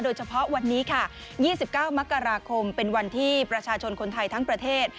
โดยเฉพาะวันนี้ค่ะ๒๙มกราคมเป็นวันที่ประชาชนคนไทยทั้งประเทศ